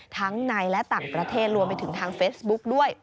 ทั้งในและต่างประเทศรวมไปถึงทางเฟซบุ๊กด้วย